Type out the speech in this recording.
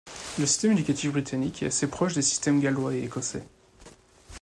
Le système éducatif britannique est assez proche des systèmes gallois et écossais.